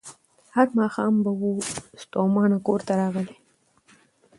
هر ماښام به وو ستومان کورته راغلی